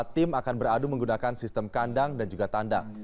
tim akan beradu menggunakan sistem kandang dan juga tanda